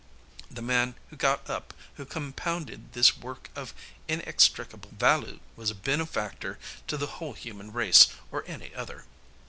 The man who got up, who compounded this work of inextricable valoo was a benufactor to the whole human race or any other."